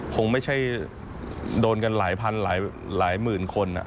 คงไม่ใช่โดนกันหลายพันหลายหมื่นคน